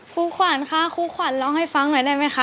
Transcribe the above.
ครูขวัญค่ะครูขวัญร้องให้ฟังหน่อยได้ไหมคะ